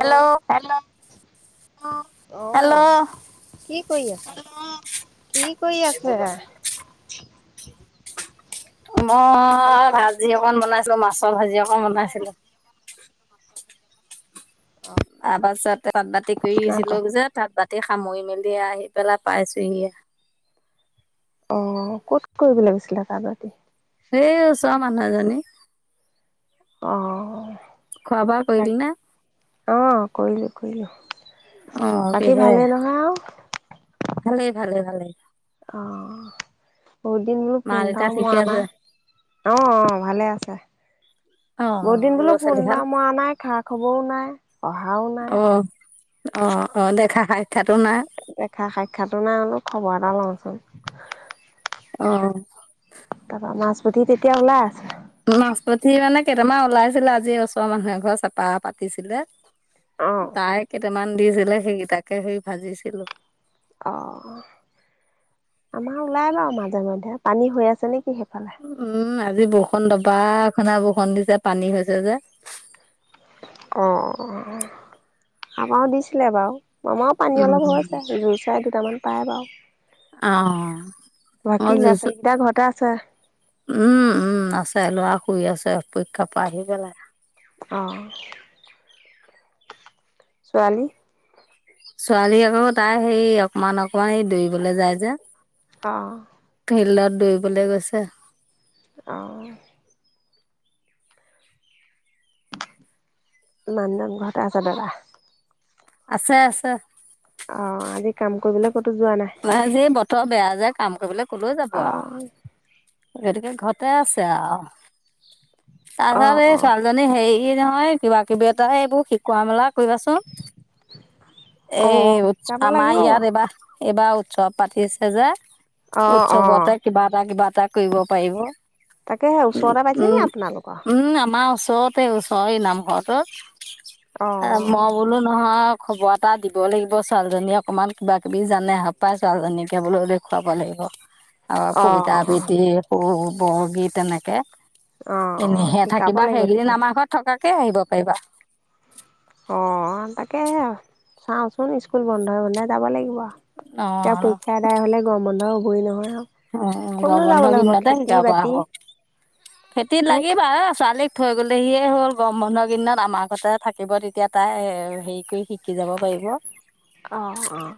Hello hello অ'। কি কৰি আছা। কি কৰি আছে। হেল্ল' মই অ', ভাজি অকণ বনাইছিলো, মাছৰ ভাজি অকণ বনাইছিলো। তাৰ পাছতে তাঁত-বাতি কৰি নাই কোৱা। আছিলো যে, তাঁত-বা তি সামৰি মেলি আহি পেলাই পাইছোহিহে। অ', ক'ত কৰিবলে গৈছিলে তাতবাতি। সেই ওচৰ মানুহ এজনী। অ'। খোৱাবোৱা তাক কৰিলি না। অ', কৰিলো-কৰিলো। অ বাকী কিহেৰে ভালেই নহয় আও। ভালেই, ভালে-ভালে। অ'। বহুত দিন বোলো মা দেউতা ফোনটাও ঠিকে মৰা আছে নাই, অ'-অ', ভালে আছে, অ অ বহুত দিন ল'ৰা বোলো ছোৱালী ভাল ফোনটাও মৰা নাই, খা খবৰও নাই, অহাও নাই। অ'-অ', দেখা হায় দেখা সাক্ষাটো নাই অলপ খবৰ এটা লওঁচোন। [inaudible] অ'। তাপা মাছপুঠি তেতিয়া ওলাই আছে। মাছ-পুঠি মানে, কেইটামান ওলাইছিলে আজি ওচৰৰ মানুহ এঘৰে চেপা পাতিছিলে। অ', তাই কেইট মান দিছিলে সেইকেইটাকে সেই ভাজিছিলো। অ', আমাৰ ওলাই বাৰু মাজে মধে পানী হৈ আছে নে উম, আজি বৰষুণ দবা খুনা বৰ ষূণ দিছে পানী হৈছে যে। অ', আমাৰো দিছিলে বাৰু। আমাৰো পানী অলপ হৈ আছে, দুই চাই কিটামান পায় বাৰু। অ', [unintelligible] চে উম উম আছে ল'ৰা শুই আছে পীক্ষা পৰা আহি পেলাই। অঁ, ছোৱালী? ছোৱালী আকৌ তাই সেই অকমান অকমান এই দৌৰিবলে যায় যে। অঁ। ফিল্ডত দৌৰিবলৈ গৈছে। অ [unintelligible] ঘৰতে আছে দাদা? আছে আছে। অ', আজি কাম কৰিব নাই আজি এই বতৰ বেয়া যে কাম কৰিবলে কলৈ যাব অ আও। ইহত এতিয়া ঘৰত তে আছে আৰু অ তাৰপিছত এই অ ছোৱালীজনী হেৰি নহয় কিবা কিবা এটা হে এইবোৰ শিকোৱা মেলাত কৰিবাচোন অ এই যাব আমাৰ লাগিব বাৰু ইয়াত এইবাৰ এইবাৰ উৎসৱ পাতিছে যে। অ অ উৎসৱতে কিবা এটা কিবা এটা তাত কৰিব পাৰিব। তাকে সেই ওচৰতে পাইছে নি উম আপোনালোকৰ? উম আমাৰ ওচৰতে ওচৰ এই অ নামঘৰটোত। মই বোলো নহয় খবৰ এটা দিব লাগিব ছোৱালীজনীয়ে অকমান কিবা কিবি যি জানে [unintelligible] ছোৱালজনীকে বোলেও দেখুৱাব লাগিব। অ কবিতা আবৃত্তি ক বৰগীত তেনেকে। অ অ এনে সে শিকাব থাকিবা লাগিব সেইকেইদিন তেতিয়া আমাৰ ঘৰত থাকা তেতিয়া আহিব পাৰিবা। অঁ', তাকেহে আৰু চাওঁচোন স্কুল বন্ধই হলে যাব লাগিব। অ এতিয়া পৰীক্ষা এটাই হ'লে গৰম বন্ধই হ'ব কৰি নহয় অ ক'তনো গৰম বন্ধ যাবলৈ হ'ব দিনতে খেতি জাব বাতি হব খেতিত ন লাগিবা ছোৱালীক থৈ গ'লেহিয়ে হ'ল গৰম বন্ধৰ কেইদিনত আমাৰ ঘৰতে থাকিব তেতিয়া তাই হেৰি কৰি শিক শিকি যাব পাৰিব। অ', অ',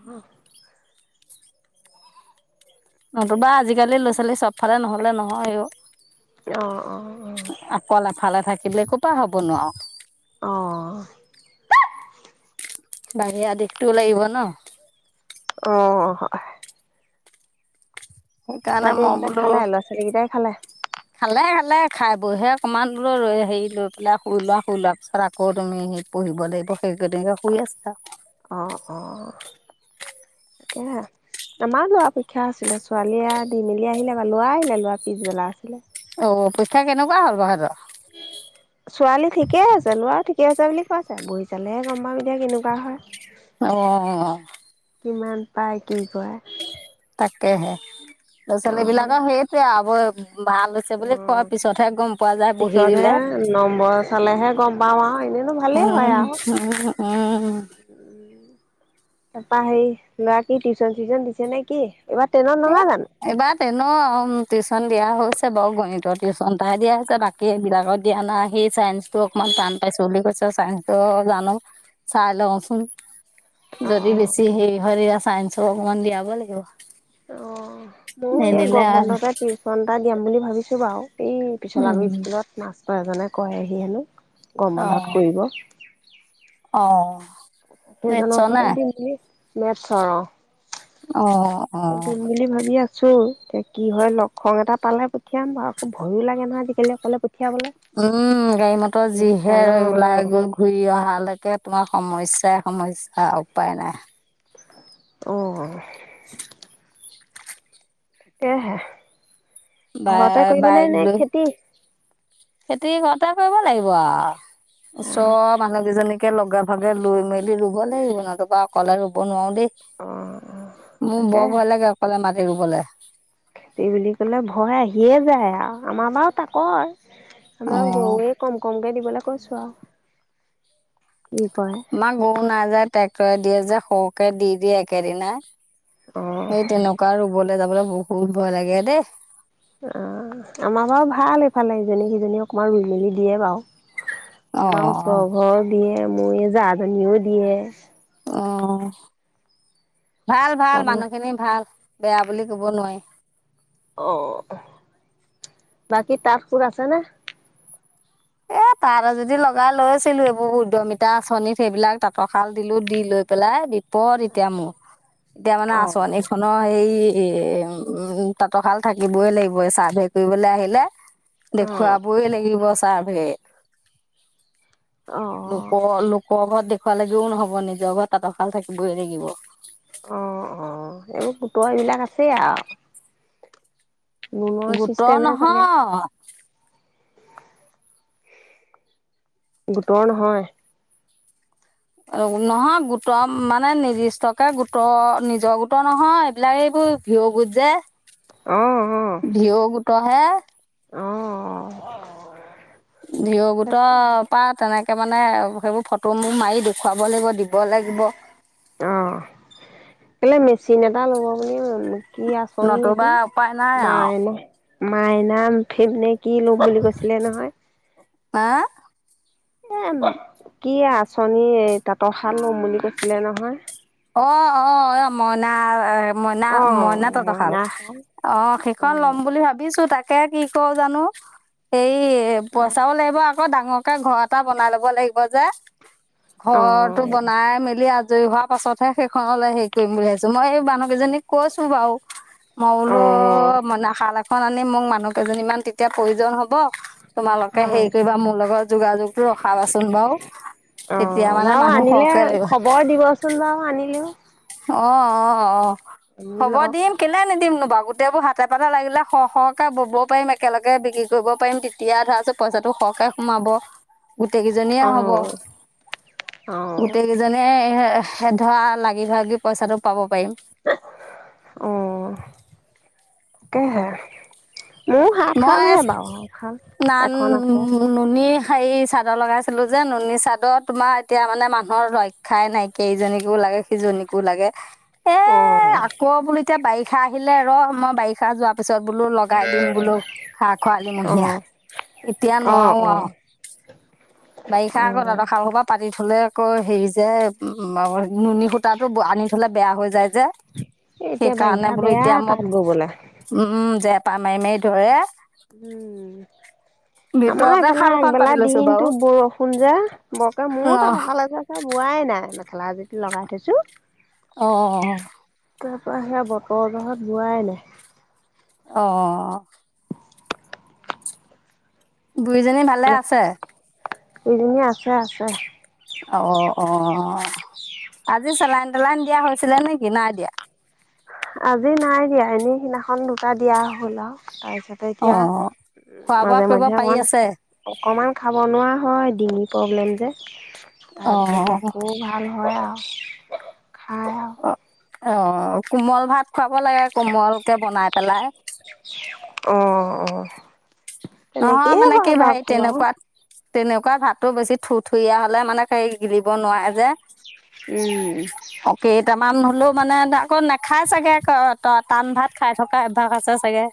নতুবা আজিকালিৰ ল'ৰা ছোৱালী চব ফালে নহ'লে নহয় অ, অ', অ', অকল এফালে থাক কিলে ক'ৰ পা হ'ব নু আৰু। অহ। বাহিৰা দিশটোৱো লাগিব ন। অহ হয়। সেইকাৰণে দে মই সেইকেইটা বোলো, খালে ল'ৰা ছোৱালীকেইটাই খালে খালে খালে। খাই বৈহে অকণমান বোলো ৰৈ হেৰি লৈ পেলাই শুই লোৱা, শুই লোৱাৰ পিছত আকৌ তুমি সেই পঢ়িব লাগিব সেই তেনেকৈ শুই আছে আৰু। অহ অহ তাকে আৰু, আমাৰো ল'ৰা পৰীক্ষা আছিলে ছোৱালীয়ে দি মেলি আহিলে বাৰু ল'ৰা আহিলে ল'ৰা পিছবেলা আছিলে। অ', পৰীক্ষা কেনেকুৱা হ'ল বাৰু সিহঁতৰ। ছোৱালী ঠিকে আছে ল'ৰাও ঠিকে আছে বুলি কৈছে বহী চালেহে গম পাম এতিয়া কেনেকুৱা হয়। অ কিমান পায় কি কৰে। তাকেহে। ল'ৰা ছোৱ বিলাক সেইটোৱে আৰু [unintelligible] ভাল হৈছে অ', বুলি কোৱাৰ অ', পিছতহে গম পোৱা যায় বহি পিছতহে দিলে। নম্বৰ চালেহে গম পাওঁ আৰু এনেইনো ভালেই হয় উম আৰু। উম উম। তাৰপা হেৰি, ল'ৰাক কি টিউচন চিউচন দিছে নেকি? এইবাৰ টেনত নহয় জানো? টেন অহ, টিউশচন দিয়া হৈছে বাৰু গণিতৰ টিউচন এটাই দিয়া হৈছে তাকে বাকী বিলাকত দিয়া নাই সি চাইন্সটো অকনমান টান পাইছো বুলি কৈছে চাইন্সটো জানো চাই লওঁচোন। যদি অ', বেছি হেৰি হয় দিয়া চাইন্সৰ অকমান দিয়াবো লাগিব। মইয়ো এই নিদিলে গৰম আৰু বন্ধতে টিউচন এটা দিয়াম বুলি ভাবিছোঁ বাৰু। এই পিশলাগুৰি উম স্কুলত মা ষ্টৰ এজনে কৰেহি হেনো। গৰম অ বন্ধত কৰিব। অ সেইজনৰ মেটছৰ ওচৰতে নাই দিম বুলি, মেটছ'ৰ অ'। অহ। তাত দিম বুলি ভাবি আ ছো, এতিয়া কি হয় লগ খং এটা পালে পঠিয়াম আৰু আকৌ ভয়ো লাগে নহয় আজিকালি অকলে পঠি উম গাড়ী মটৰ যিহে, কালৰ ওলাই গৈ ঘূৰি অহালৈকে তোমাৰ সমস্যা স্যা সমস্যা উপায় নাই। অ। কেহে। বা ঘৰতে বাইক কৰিবনে নে লৈ খেতি। খেতি ঘৰতে কৰিব লাগিব আৰু। অ', ওচৰৰ মানুহকেইজনীক একে লগে ভাগে লৈ মেলি ৰুব লাগিব নতুবা অকলে ৰুব নোৱাৰো দেই। অ'। মোৰ তাকে বৰ ভয় লাগে অকলে মাত এই ৰুবলে। খেতি বুলি ক'লে ভয় আহিয়েই যায় আৰু আমাৰ বাৰু তাকৰ। অ আমাৰ গৰুৱে কম কমকৈ দিব লৈ কৈছো আৰু। কি কৰে। মাক গৰু নাযায়। ট্ৰেক্টৰে দিয়ে যে সৰকে দি দি একেদিনাই। অ', সেই তেনেকুৱা ৰুবলে। যাবলৈ বহুত ভয় লাগে দেই। অ আমাৰ বাৰু ভাল এইফালে ইজনী সিজনী অকমান ৰুইমেলি দিয়ে বাৰু। অ আমাৰ ওচৰ ঘৰ দিয়ে মোৰ এই জা। নিও দিয়ে। অ ভাল ভাল আপোনাৰ মানুহখিনি ভাল বেয়া বুলি কব নোৱাৰি। অ বাকী তাত সোঁত আছে নে। এ তাত এযুটি লগাই লৈছিলো এইবোৰ উদ্যমিতা আঁচনিত সেইবিলাক তাঁতৰশাল দিলো দি লৈ পেলাই পৰ এতিয়া মোৰ এতিয়া মানে আঁচনি অ', এইখনৰ সেই। এ উম তাঁতৰশাল থাকিবই লাগিব চাৰ্ভে কৰিবলৈ আহিলে। অ'। দেখুৱাবই লাগিব। চাৰ্ভে। অ', লোকৰ লোক ক ঘৰত দেখুৱালাগেও নহব নিজৰ ঘৰত তাঁতৰশাল থাকিবই লাগিব। অ, অ এইবোৰ পুতৰ এইবিলাক আছে আৰু। লোনৰ গোটৰ চিষ্টেমহে চাগে। নহয। গোটৰ নহয়। নহয় গোটৰ মানে নিৰ্দিষ্টকে গোটৰ নিজৰ গোটৰ নহয় এইবিলাক এইবোৰ ভিও গোট অ', যে। অ', ভিও গোটৰ হে। অ। ভিওৰ গোটৰ তাকে পা, তেনেক তে মানে সেইবোৰ ফটো মোৰ মাৰি দেখুৱাব লাগিব দিব লাগিব। অ, কেলে মেচিন এটা ল'ব আপুনি কি আঁচনি এইটো? নতুবা উপায় নাই আৰু মাই ন। মাইনাম [unintelligible] কি লম বুলি কৈছিলে নহয়। আ। এ, আম, কি আঁচনিয়ে তাঁতৰ শাল ল'ম বুলি কৈছিলে নহয়। অ', অ', এ, মইনা মইনা অ', মইনা তাঁতশাল শাল অ', সেইখন ল'ম অ', বুলি ভাবিছোঁ তাক তে কি ক' জানো, হেৰি ইয়ে অ', পইচাও লাগিব আ আকৌ ডাঙৰকে ঘৰ এটা বনাই ল'ব লাগিব যে। ঘৰটো অ', বনাই মেলি আগ [unintelligible] পাছতহে সেইখনলৈ হেৰি কৰিম বুলি ভাবিছোঁ, মই এই মানুহ কেইজনীক কৈছো বাৰু। মইবোলো অ', মানে খাল এট খন আনে মোক মানুহ কেইজনীমান তেতিয়া প্ৰয়োজন হ'ব। তোমালোকে হেৰি কৰিবা মোৰ লগত যোগাযোগটো ৰখাবাচোন বাৰু তেতিয়া অ', মানে মানুহ সৰহকে লাগিব। [unintelligible] বাও আনিলেও অ', অ', অ'। আনি হ'ব লওক দিম কেনে নিদিমনো। বা গোটেবোৰ হাতে পাতে লাগিলে সৰহ সৰহকে ব'ব পাৰিম, একেলগে বিক্ৰী কৰিব পাৰিম, তেতিয়া ধৰাচোন পইচাটো সৰহকে সোমাব। গোটেইকেইজনীয়ে হ'ব, অ', অ', গোটেই কেইজনে এ, এহ হে ধৰা, লাগি ভাগি পইচাটো পাব পাৰিম। অ', তাকেহে মোৰো মই সাতহালহে বাৰু, নান এখন-এখন আছে। নুনী হেৰি, চাদৰ লগাইছিলোঁ যে নুনী চাদৰ, তোমাৰ এতিয়া মানে মানুহৰ ৰক্ষাই নাই, কেইজনীকো লাগে, সিজনীকো লাগে। এ, অ', আকৌ বুলো এতিয়া বাৰিষ ষা আহিলে ৰঃ, মই বাৰিষা যোৱা পিছত বোলো লগাই দিম বোলো। খা-খৰালিমহীয়া, অ', এতিয়া অ', নোৱাৰো আৰু। বাৰিষা অ', আকৌ অ'। তাঁতশালসোপা পাত পাতি থ'লে আকৌ হেৰি যে [unintelligible] নুনী সূতাটো ব-আনি থ থ'লে বেয়া হৈ যায় যে, এ এতিয়া সেইকাৰণে বাৰিষা বোলো বেয়া এতিয়া মই, তাত ববলে। উম জেঠ টান মাৰি মাৰি ধৰে উম, আমাৰ ভিতৰতে এইফালে শালখন আগবেলা পাতি লৈছো বাৰু দিনটো বৰষ ষুণ যে বৰকে ন মোৰো তাঁতশাল আজিবৰকে বোৱাই নাই। মেখেলা যিটো লগাই থৈছো অ'। তাৰ পৰা সেয়া বতৰ জহত যোৱাই নাই। অ'। বুঢ়ীজনী ভালে আছে? এইজনী আছে আছে। অ', অ', অ'। আজি চেলাইন চেলাইন দিয়া হৈছিলে নেকি নাই দিয়া? আজি নাই দিয়া, এনে সিদিনাখন দুটা দিয়া হ'ল আৰু। এতে অ দিয়া, খোৱা বোৱা মাজে কৰিব মাজে পাৰি মই অকমান আছে অকমান খাব নোৱাৰা হয় ডিঙিত। প্ৰব্লেম যে। অ তাৰপিছত আকৌ ভাল হয় আও। [inaudible] খায় অ'। অ', কোমল ভাত খুৱাব লাগে কোমলকে বনাই। পেলাই। অ', অ'। নহয় তেনেকেই মানে কি হয় বাৰু ভাই খোৱা। তেনেকুৱাত তেনেকুৱা ভাতো বেছি থুৰ থুৰীয়া হ'লে মানে তাই গিলিব নোৱাৰে যে। উম। মান হ'লেও মানে আকৌ নেখায় চাগে আ ত' টান ভাত খাই থকা অভ্যাস আছে চাগে।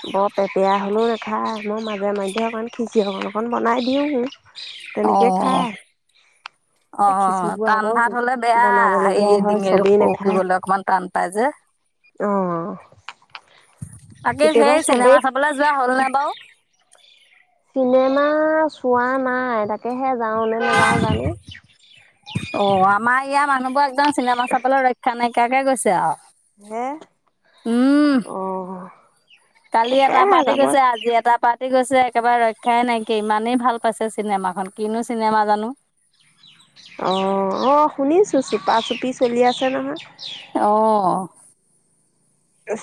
বৰ পেৰপেৰিয়া হ'লেও নাখাই, মই মাজে মাজে অকণ খিচিৰি অকণ অকণ বনাই দিওঁ। অ তেনেকে খায়। অ', টান ভাত হ'লে বেয়া বনাবলগীয়া হেৰি হয় ডিঙৰ চবেই নাখায়। শুকিবলে অকমান টান পাই যে, অ'। বাকী কেতিয়াবা সেই চবেই চিনেমা চাবলে যোৱা হ'ল নে বাৰু? চিনেমা চোৱা নাই তাকেহে যাওঁ নে নাযাওঁ জানো? [inaudible] অ', আমাৰ ইয়াৰ মানুহবোৰ একদম চিনেমা চাবলৈ ৰক্ষা নাই। ইয়াকে কৈছে আও। হে অ'। কালি এটা তাকেহে পাৰ্টি যাব অ', গৈছে আজি এটা পাৰ্টি তি গৈছে একেবাৰে ৰ খাই নাইকিয় ইমানেই ভাল পাইছে চিনেমাখন কিনো চিনেমা জানো অ অ শুনিছো চোপা চুপি চলি আছে নহয়। অ!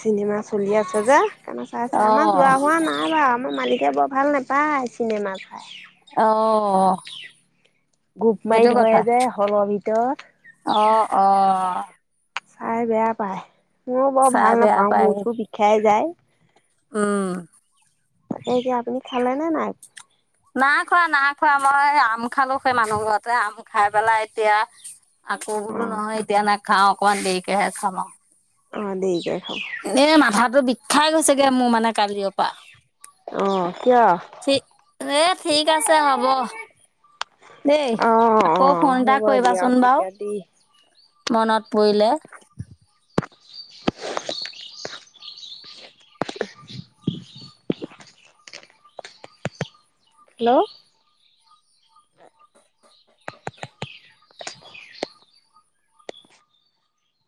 চিনেমা, চলি আছে যে সেইকানে চাই চে অ আমাৰ যোৱা হোৱা নাই বাৰু আমাৰ মালিক এতিয়া বৰ ভাল নাপায় চিনেমাত, অ গোপ মাৰি সেইটো কথা ধৰে যে হলৰ ভিতৰত অ অ! চাই বেয়া পায়। ময় বৰ চাই ভাল বেয়া নাপাওঁ পায় মোৰতো বিষাই যায়। উম! তাকে এতিয়া আপুনি খালে নে নাই্, না খোৱা না খোৱা মই আম খালো সেই মানুহ ঘৰতে আম খাই পেলাই এতিয়া, আকৌ অ বোলো নহয় এতিয়া নাক খাওঁ অকমান দেৰিকেহে খামা আৰু অ! দেইকে এ মাথাতটো বিখ খাই গৈছেগে মোৰ মানে কালি অপা অ কিয় এ ঠিক আছে হব দেই অ অ আকৌ ফোন এটা হ'ব দিয়ক কৰিবাচোন বাৰু তেতিয়া দি মনত পৰিলে, হেল্ল'!